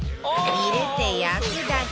入れて焼くだけ！